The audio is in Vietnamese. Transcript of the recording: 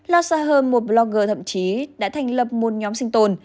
lhasa herm một blogger thậm chí đã thành lập một nhóm sinh tồn